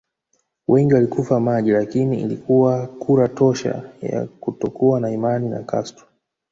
Wengi walikufa maji lakini ilikuwa kura tosha ya kutokuwa na imani na Castro